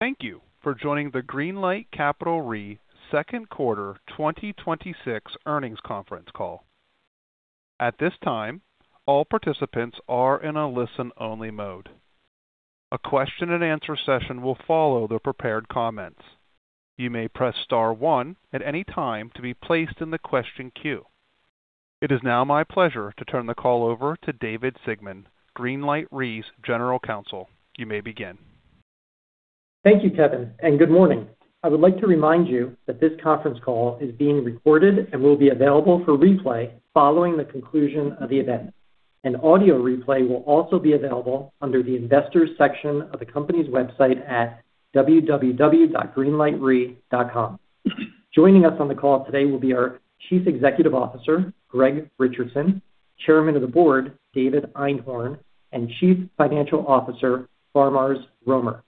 Thank you for joining the Greenlight Capital Re Second Quarter 2026 Earnings Conference Call. At this time, all participants are in a listen-only mode. A question and answer session will follow the prepared comments. You may press star one at any time to be placed in the question queue. It is now my pleasure to turn the call over to David Sigmon, Greenlight Re's General Counsel. You may begin. Thank you, Kevin, and good morning. I would like to remind you that this conference call is being recorded and will be available for replay following the conclusion of the event. An audio replay will also be available under the Investors section of the company's website at www.greenlightre.com. Joining us on the call today will be our Chief Executive Officer, Greg Richardson, Chairman of the Board, David Einhorn, and Chief Financial Officer, Faramarz Romer.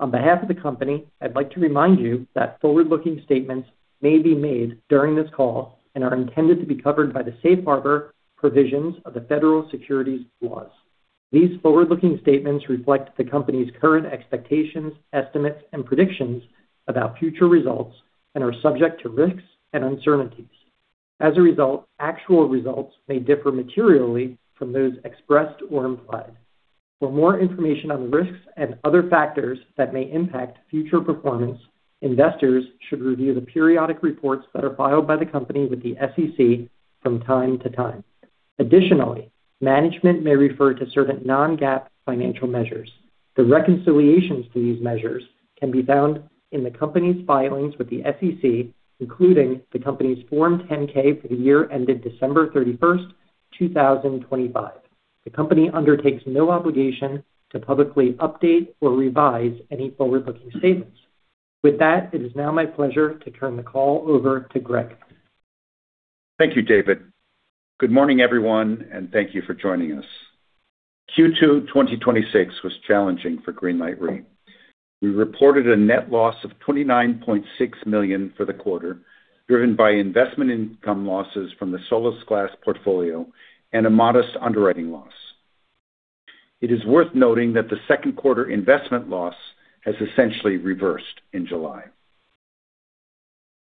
On behalf of the company, I'd like to remind you that forward-looking statements may be made during this call and are intended to be covered by the safe harbor provisions of the Federal Securities laws. These forward-looking statements reflect the company's current expectations, estimates, and predictions about future results and are subject to risks and uncertainties. As a result, actual results may differ materially from those expressed or implied. For more information on risks and other factors that may impact future performance, investors should review the periodic reports that are filed by the company with the SEC from time to time. Additionally, management may refer to certain non-GAAP financial measures. The reconciliations to these measures can be found in the company's filings with the SEC, including the company's Form 10-K for the year ended December 31st, 2025. The company undertakes no obligation to publicly update or revise any forward-looking statements. With that, it is now my pleasure to turn the call over to Greg. Thank you, David. Good morning, everyone, and thank you for joining us. Q2 2026 was challenging for Greenlight Re. We reported a net loss of $29.6 million for the quarter, driven by investment income losses from the Solasglas portfolio and a modest underwriting loss. It is worth noting that the second quarter investment loss has essentially reversed in July.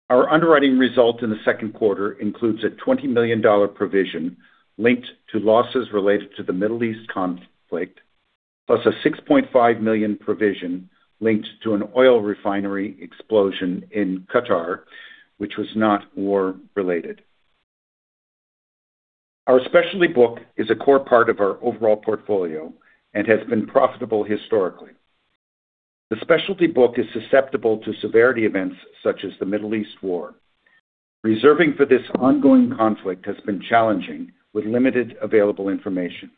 Our underwriting result in the second quarter includes a $20 million provision linked to losses related to the Middle East conflict, plus a $6.5 million provision linked to an oil refinery explosion in Qatar, which was not war-related. Our specialty book is a core part of our overall portfolio and has been profitable historically. The specialty book is susceptible to severity events such as the Middle East war. Reserving for this ongoing conflict has been challenging with limited available information.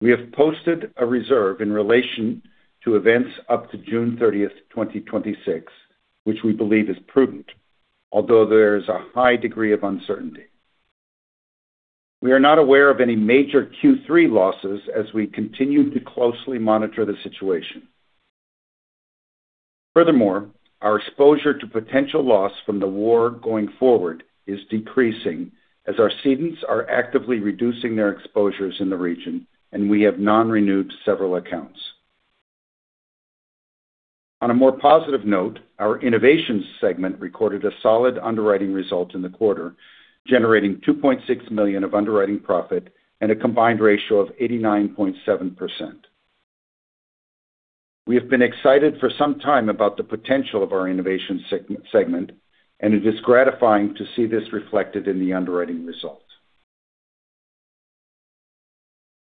We have posted a reserve in relation to events up to June 30th, 2026, which we believe is prudent, although there is a high degree of uncertainty. We are not aware of any major Q3 losses as we continue to closely monitor the situation. Furthermore, our exposure to potential loss from the war going forward is decreasing as our cedents are actively reducing their exposures in the region, and we have non-renewed several accounts. On a more positive note, our innovations segment recorded a solid underwriting result in the quarter, generating $2.6 million of underwriting profit and a combined ratio of 89.7%. We have been excited for some time about the potential of our innovation segment, and it is gratifying to see this reflected in the underwriting results.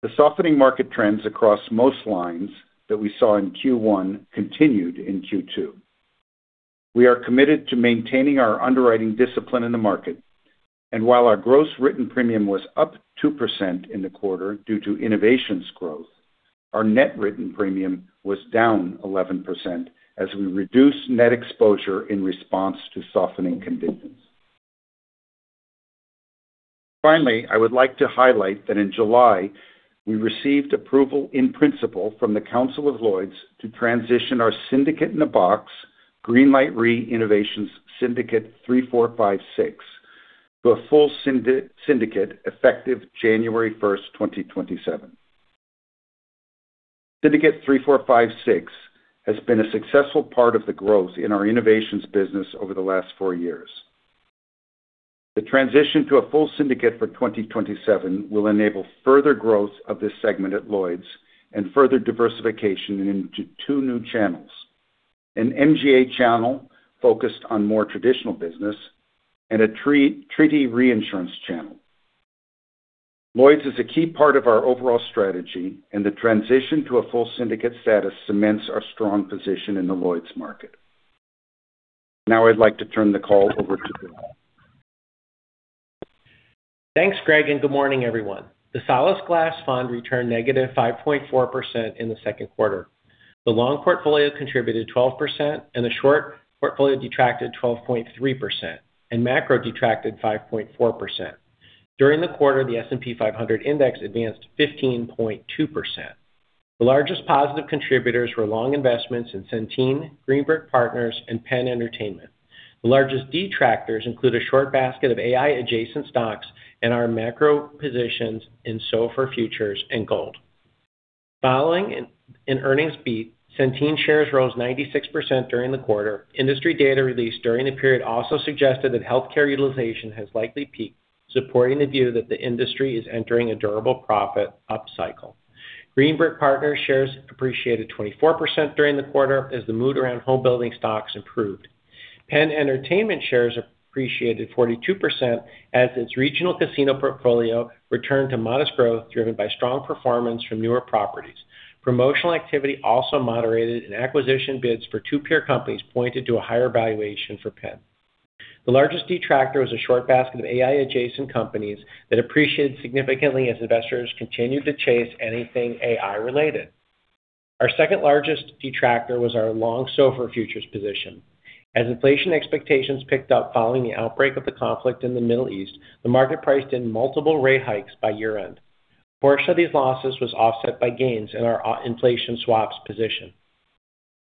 The softening market trends across most lines that we saw in Q1 continued in Q2. While our gross written premium was up 2% in the quarter due to innovations growth, our net written premium was down 11% as we reduced net exposure in response to softening conditions. Finally, I would like to highlight that in July, we received approval in principle from the Council of Lloyd's to transition our Syndicate-in-a-Box, Greenlight Innovation Syndicate 3456, to a full syndicate effective January 1st, 2027. Syndicate 3456 has been a successful part of the growth in our innovations business over the last four years. The transition to a full syndicate for 2027 will enable further growth of this segment at Lloyd's and further diversification into two new channels: an MGA channel focused on more traditional business and a treaty reinsurance channel. Lloyd's is a key part of our overall strategy, The transition to a full syndicate status cements our strong position in the Lloyd's market. Now I'd like to turn the call over to David. Thanks, Greg, and good morning, everyone. The Solasglas fund returned negative 5.4% in the second quarter. The long portfolio contributed 12%, The short portfolio detracted 12.3%, Macro detracted 5.4%. During the quarter, the S&P 500 Index advanced 15.2%. The largest positive contributors were long investments in Centene, Green Brick Partners, and Penn Entertainment. The largest detractors include a short basket of AI adjacent stocks and our macro positions in SOFR futures and gold. Following an earnings beat, Centene shares rose 96% during the quarter. Industry data released during the period also suggested that healthcare utilization has likely peaked, supporting the view that the industry is entering a durable profit upcycle. Green Brick Partners shares appreciated 24% during the quarter as the mood around home building stocks improved. Penn Entertainment shares appreciated 42% as its regional casino portfolio returned to modest growth, driven by strong performance from newer properties. Promotional activity also moderated, and acquisition bids for two peer companies pointed to a higher valuation for Penn. The largest detractor was a short basket of AI-adjacent companies that appreciated significantly as investors continued to chase anything AI-related. Our second-largest detractor was our long SOFR futures position. As inflation expectations picked up following the outbreak of the conflict in the Middle East, the market priced in multiple rate hikes by year-end. A portion of these losses was offset by gains in our inflation swaps position.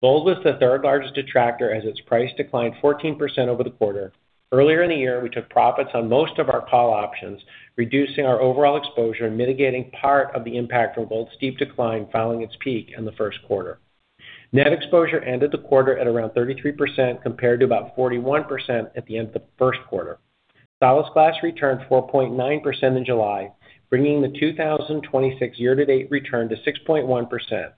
Gold was the third-largest detractor as its price declined 14% over the quarter. Earlier in the year, we took profits on most of our call options, reducing our overall exposure and mitigating part of the impact from gold's steep decline following its peak in the first quarter. Net exposure ended the quarter at around 33%, compared to about 41% at the end of the first quarter. Solasglas returned 4.9% in July, bringing the 2026 year-to-date return to 6.1%.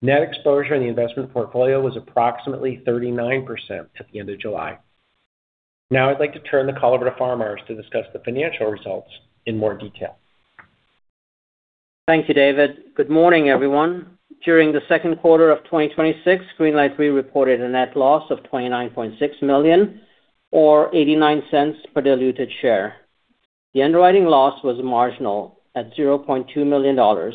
Net exposure in the investment portfolio was approximately 39% at the end of July. I'd like to turn the call over to Faramarz to discuss the financial results in more detail. Thank you, David. Good morning, everyone. During the second quarter of 2026, Greenlight Re reported a net loss of $29.6 million, or $0.89 per diluted share. The underwriting loss was marginal at $0.2 million,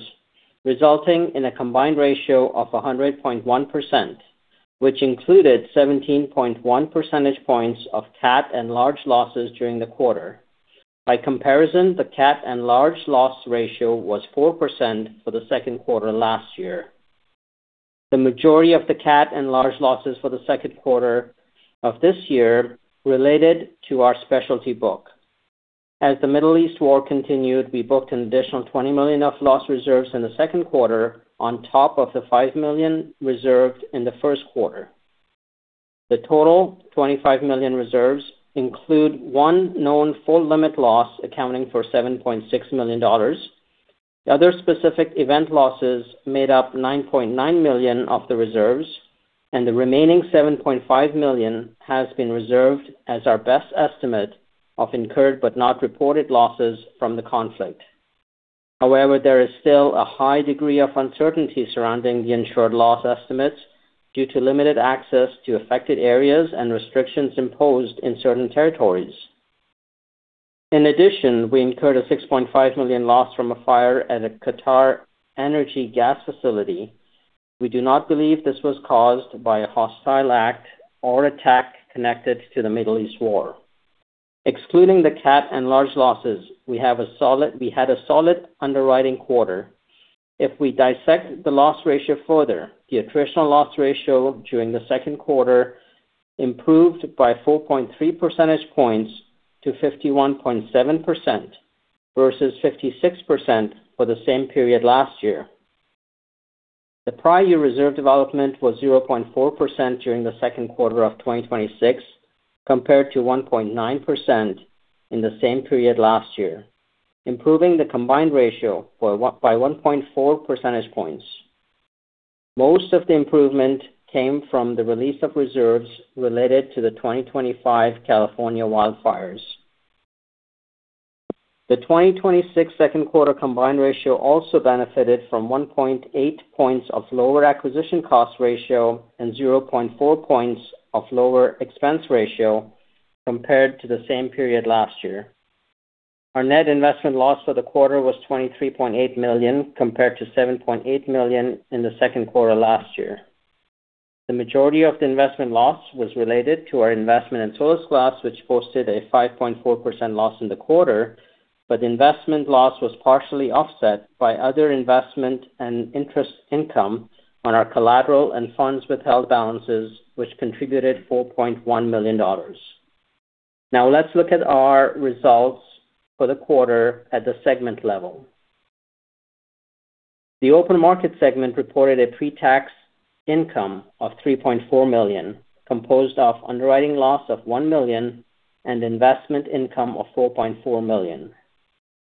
resulting in a combined ratio of 100.1%, which included 17.1 percentage points of cat and large losses during the quarter. By comparison, the cat and large loss ratio was 4% for the second quarter last year. The majority of the cat and large losses for the second quarter of this year related to our specialty book. As the Middle East war continued, we booked an additional $20 million of loss reserves in the second quarter on top of the $5 million reserved in the first quarter. The total $25 million reserves include one known full-limit loss accounting for $7.6 million. Other specific event losses made up $9.9 million of the reserves, and the remaining $7.5 million has been reserved as our best estimate of incurred but not reported losses from the conflict. There is still a high degree of uncertainty surrounding the insured loss estimates due to limited access to affected areas and restrictions imposed in certain territories. We incurred a $6.5 million loss from a fire at a QatarEnergy gas facility. We do not believe this was caused by a hostile act or attack connected to the Middle East war. Excluding the cat and large losses, we had a solid underwriting quarter. We dissect the loss ratio further, the attritional loss ratio during the second quarter improved by 4.3 percentage points to 51.7% versus 56% for the same period last year. The prior year reserve development was 0.4% during the second quarter of 2026, compared to 1.9% in the same period last year, improving the combined ratio by 1.4 percentage points. Most of the improvement came from the release of reserves related to the 2025 California wildfires. The 2026 second-quarter combined ratio also benefited from 1.8 points of lower acquisition cost ratio and 0.4 points of lower expense ratio compared to the same period last year. Our net investment loss for the quarter was $23.8 million, compared to $7.8 million in the second quarter last year. The majority of the investment loss was related to our investment in Solasglas, which posted a 5.4% loss in the quarter. The investment loss was partially offset by other investment and interest income on our collateral and funds withheld balances, which contributed $4.1 million. Let's look at our results for the quarter at the segment level. The open market segment reported a pre-tax income of $3.4 million, composed of underwriting loss of $1 million and investment income of $4.4 million.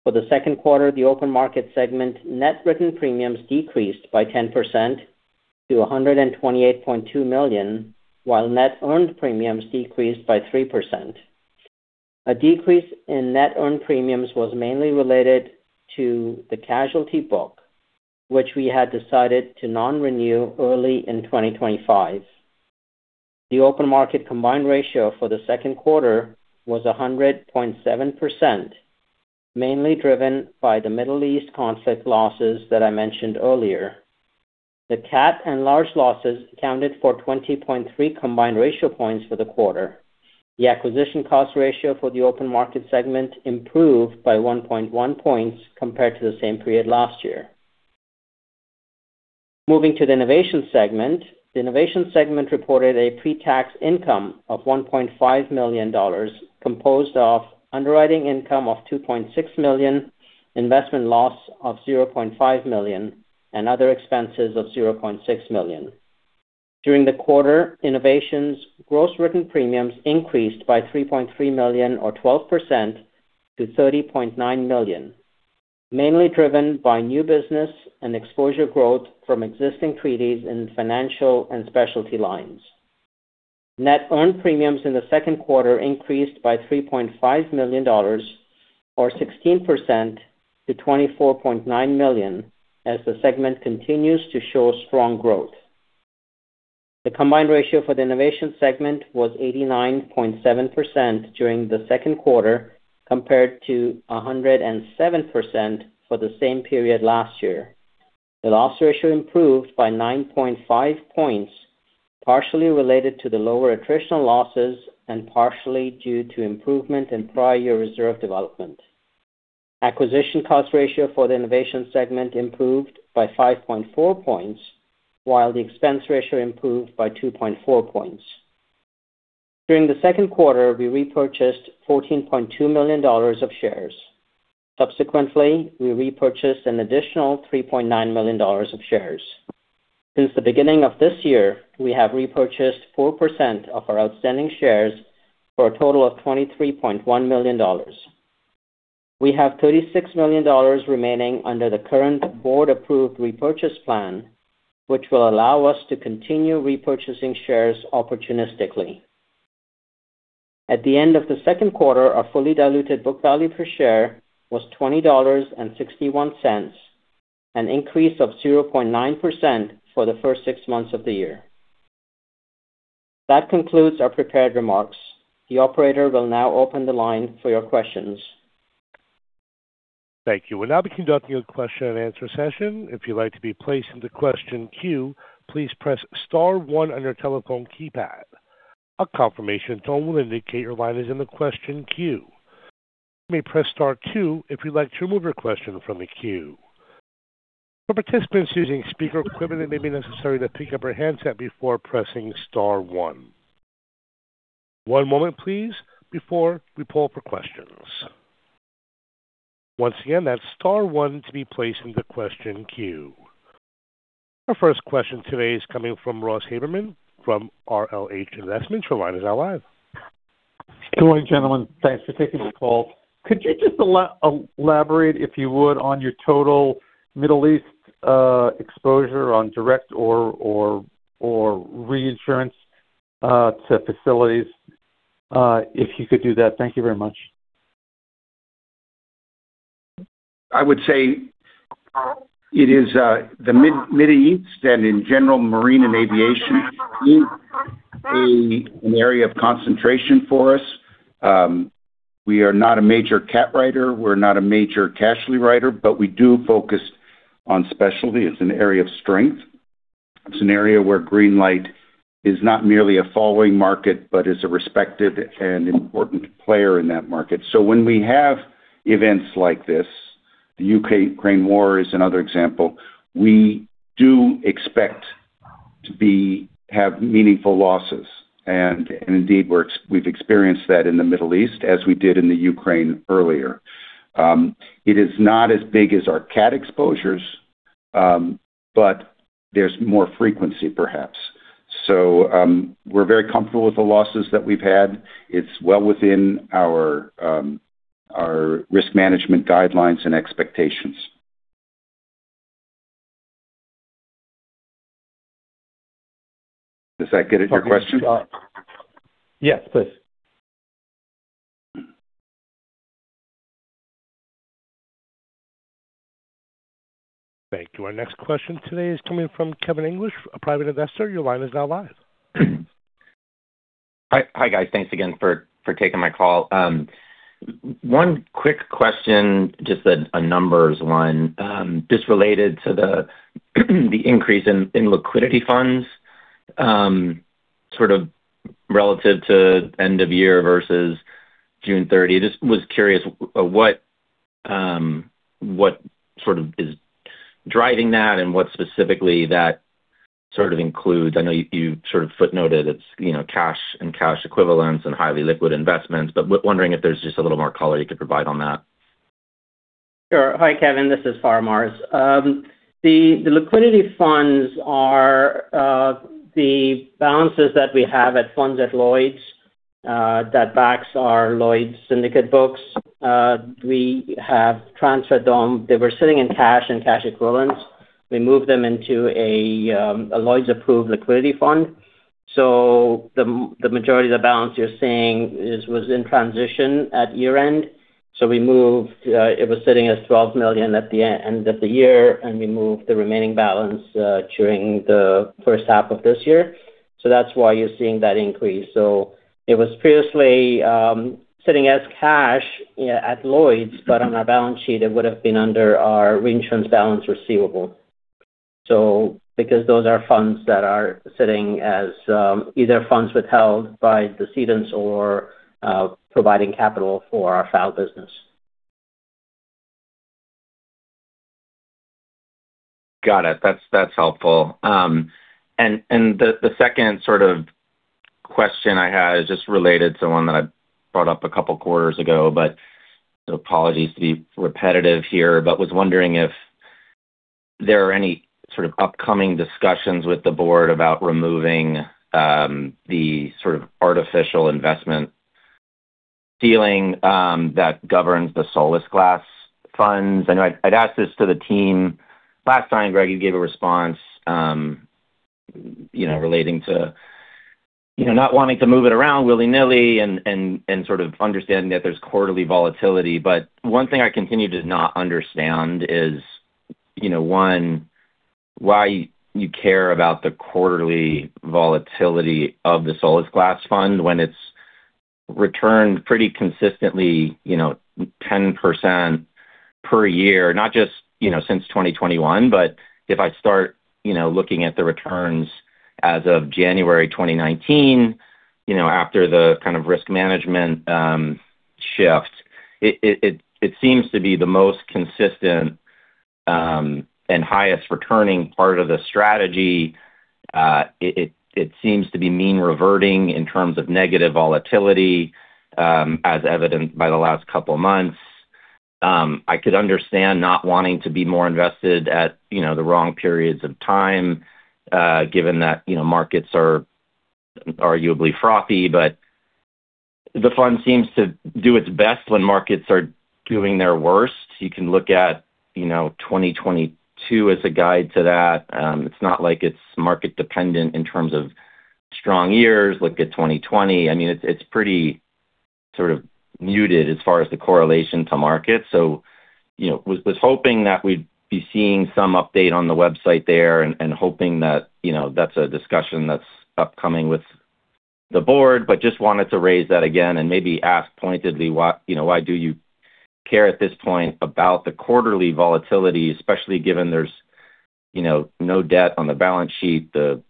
For the second quarter, the open market segment net written premiums decreased by 10% to $128.2 million, while net earned premiums decreased by 3%. A decrease in net earned premiums was mainly related to the casualty book, which we had decided to non-renew early in 2025. The open market combined ratio for the second quarter was 100.7%, mainly driven by the Middle East conflict losses that I mentioned earlier. The cat and large losses accounted for 20.3 combined ratio points for the quarter. The acquisition cost ratio for the open market segment improved by 1.1 points compared to the same period last year. Moving to the innovation segment. The innovation segment reported a pre-tax income of $1.5 million, composed of underwriting income of $2.6 million, investment loss of $0.5 million, and other expenses of $0.6 million. During the quarter, innovations gross written premiums increased by $3.3 million or 12% to $30.9 million, mainly driven by new business and exposure growth from existing treaties in financial and specialty lines. Net earned premiums in the second quarter increased by $3.5 million or 16% to $24.9 million, as the segment continues to show strong growth. The combined ratio for the innovation segment was 89.7% during the second quarter, compared to 107% for the same period last year. The loss ratio improved by 9.5 points, partially related to the lower attritional losses and partially due to improvement in prior year reserve development. Acquisition cost ratio for the innovation segment improved by 5.4 points, while the expense ratio improved by 2.4 points. During the second quarter, we repurchased $14.2 million of shares. Subsequently, we repurchased an additional $3.9 million of shares. Since the beginning of this year, we have repurchased 4% of our outstanding shares for a total of $23.1 million. We have $36 million remaining under the current board-approved repurchase plan, which will allow us to continue repurchasing shares opportunistically. At the end of the second quarter, our fully diluted book value per share was $20.61, an increase of 0.9% for the first six months of the year. That concludes our prepared remarks. The operator will now open the line for your questions. Thank you. We'll now be conducting a question and answer session. If you'd like to be placed into question queue, please press star one on your telephone keypad. A confirmation tone will indicate your line is in the question queue. You may press star two if you'd like to remove your question from the queue. For participants using speaker equipment, it may be necessary to pick up your handset before pressing star one. One moment please, before we pull for questions. Once again, that's star one to be placed in the question queue. Our first question today is coming from Ross Haberman, from RLH Investments. Your line is now live. Good morning, gentlemen. Thanks for taking the call. Could you just elaborate, if you would, on your total Middle East exposure on direct or reinsurance to facilities? If you could do that. Thank you very much. I would say it is the Middle East and in general, marine and aviation is an area of concentration for us. We are not a major CAT writer, we're not a major casualty writer, but we do focus on specialty as an area of strength. It's an area where Greenlight is not merely a following market, but is a respected and important player in that market. When we have events like this, the Ukraine war is another example, we do expect to have meaningful losses. Indeed, we've experienced that in the Middle East, as we did in the Ukraine earlier. It is not as big as our CAT exposures, but there's more frequency, perhaps. We're very comfortable with the losses that we've had. It's well within our risk management guidelines and expectations. Does that get at your question? Yes, thanks. Thank you. Our next question today is coming from Kevin English, a private investor. Your line is now live. Hi, guys. Thanks again for taking my call. One quick question, just a numbers one. Just related to the increase in liquidity funds, sort of relative to end of year versus June 30. Just was curious what sort of is driving that and what specifically that sort of includes. I know you sort of footnoted it's cash and cash equivalents and highly liquid investments, wondering if there's just a little more color you could provide on that. Sure. Hi, Kevin. This is Faramarz. The liquidity funds are the balances that we have at funds at Lloyd's, that backs our Lloyd's Syndicate books. We have transferred them. They were sitting in cash and cash equivalents. We moved them into a Lloyd's approved liquidity fund. The majority of the balance you're seeing was in transition at year-end. We moved, it was sitting as $12 million at the end of the year, and we moved the remaining balance during the first half of this year. That's why you're seeing that increase. It was previously sitting as cash at Lloyd's, on our balance sheet, it would have been under our reinsurance balance receivable. Because those are funds that are sitting as either funds withheld by the cedents or providing capital for our FAO business. Got it. That's helpful. The second sort of question I had is just related to one that I brought up a couple quarters ago, apologies to be repetitive here, was wondering if there are any sort of upcoming discussions with the board about removing the sort of artificial investment ceiling that governs the Solasglas funds. I know I'd asked this to the team last time, Greg, you gave a response, relating to not wanting to move it around willy-nilly and sort of understanding that there's quarterly volatility. One thing I continue to not understand is, one, why you care about the quarterly volatility of the Solasglas fund when it's returned pretty consistently 10% per year, not just since 2021, if I start looking at the returns as of January 2019, after the kind of risk management shift. It seems to be the most consistent, and highest returning part of the strategy. It seems to be mean reverting in terms of negative volatility, as evident by the last couple of months. I could understand not wanting to be more invested at the wrong periods of time, given that markets are arguably frothy, but the fund seems to do its best when markets are doing their worst. You can look at 2022 as a guide to that. It's not like it's market dependent in terms of strong years. Look at 2020. I mean, it's pretty sort of muted as far as the correlation to market. Was hoping that we'd be seeing some update on the website there and hoping that that's a discussion that's upcoming with the board. Just wanted to raise that again and maybe ask pointedly why do you care at this point about the quarterly volatility, especially given there's no debt on the balance sheet, the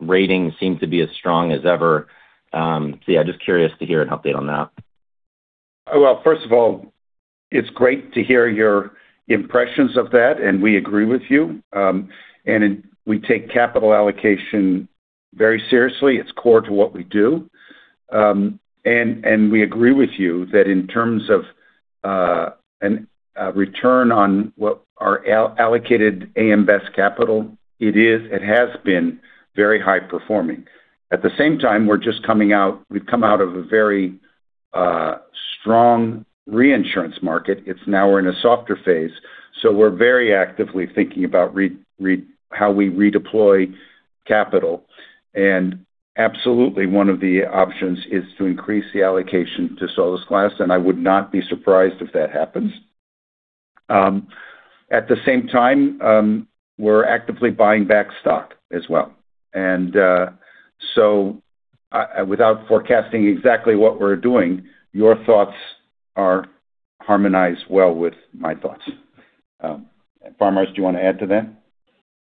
ratings seem to be as strong as ever. Yeah, just curious to hear an update on that. Well, first of all, it's great to hear your impressions of that, and we agree with you. We take capital allocation very seriously. It's core to what we do. We agree with you that in terms of return on what our allocated AM Best capital, it has been very high performing. At the same time, we've come out of a very strong reinsurance market. It's now we're in a softer phase. We're very actively thinking about how we redeploy capital. Absolutely, one of the options is to increase the allocation to Solasglas, and I would not be surprised if that happens. At the same time, we're actively buying back stock as well. Without forecasting exactly what we're doing, your thoughts are harmonized well with my thoughts. Faramarz, do you want to add to that?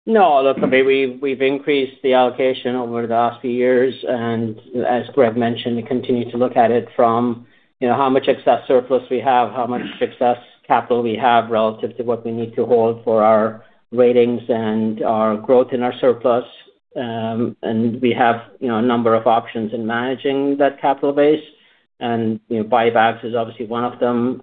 No. Look, I mean, we've increased the allocation over the last few years, and as Greg mentioned, we continue to look at it from how much excess surplus we have, how much excess capital we have relative to what we need to hold for our ratings and our growth in our surplus. We have a number of options in managing that capital base. Buybacks is obviously one of them.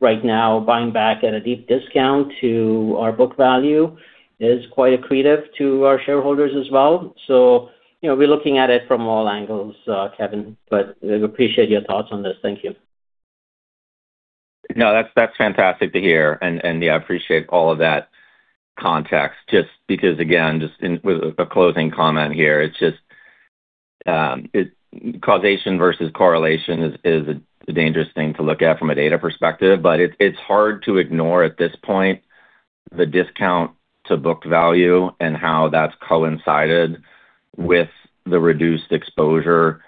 Right now, buying back at a deep discount to our book value is quite accretive to our shareholders as well. We're looking at it from all angles, Kevin, but we appreciate your thoughts on this. Thank you. That's fantastic to hear. Yeah, I appreciate all of that context just because again, just with a closing comment here, it's just causation versus correlation is a dangerous thing to look at from a data perspective. It's hard to ignore at this point the discount to book value and how that's coincided with the reduced exposure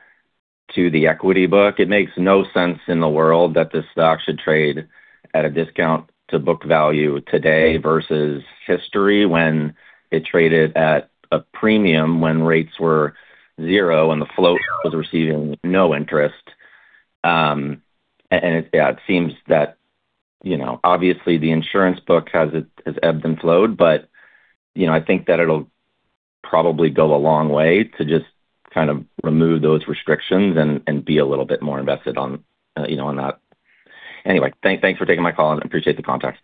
to the equity book. It makes no sense in the world that the stock should trade at a discount to book value today versus history when it traded at a premium when rates were zero and the float was receiving no interest. It seems that obviously the insurance book has ebbed and flowed, but I think that it'll probably go a long way to just kind of remove those restrictions and be a little bit more invested on that. Anyway, thanks for taking my call and I appreciate the context.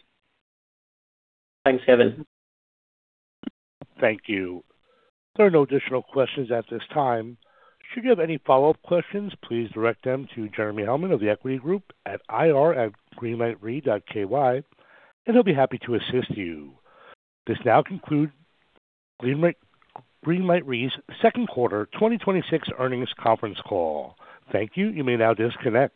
Thanks, Kevin. Thank you. There are no additional questions at this time. Should you have any follow-up questions, please direct them to Jeremy Hellman of The Equity Group at ir@greenlightre.ky, and he'll be happy to assist you. This now concludes Greenlight Re's second quarter 2026 earnings conference call. Thank you. You may now disconnect.